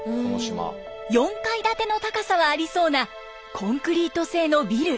４階建ての高さはありそうなコンクリート製のビル。